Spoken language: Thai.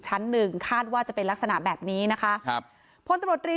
ชั้นหนึ่งคาดว่าจะเป็นลักษณะแบบนี้นะคะครับพลตำรวจรี